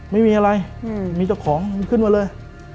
ไม่มีอะไรมีเจ้าของขึ้นมาเลย